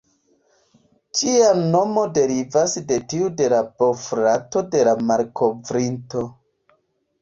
Ĝia nomo derivas de tiu de la bofrato de la malkovrinto.